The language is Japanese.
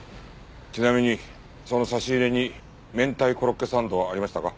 ちなみにその差し入れにめんたいコロッケサンドはありましたか？